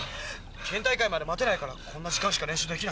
県大会まで待てないからこんな時間しか練習できないんだ。